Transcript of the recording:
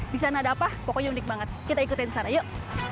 di sana ada apa pokoknya unik banget kita ikutin sana yuk